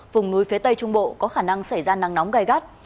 vùng núi phía tây trung bộ có khả năng xảy ra nắng nóng gai gắt